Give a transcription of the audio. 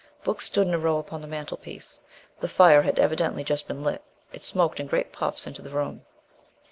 Books stood in a row upon the mantelpiece. The fire had evidently just been lit. It smoked in great puffs into the room.